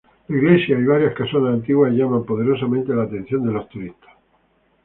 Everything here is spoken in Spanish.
La iglesia y varias casonas antiguas llaman poderosamente la atención de los turistas.